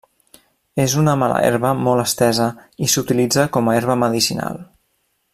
És una mala herba molt estesa i s'utilitza com a herba medicinal.